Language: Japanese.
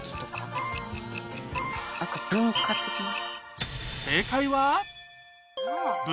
何か文化的な？